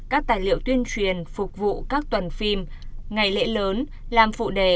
các tài liệu tuyên truyền phục vụ các tuần phim ngày lễ lớn làm phụ đề